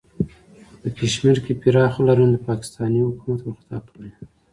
کشمیر کې پراخو لاریونونو د پاکستانی حکومت ورخطا کړی